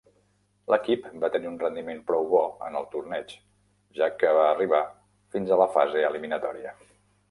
L'equip va tenir un rendiment prou bo en el torneig, ja que va arribar fins a la fase eliminatòria.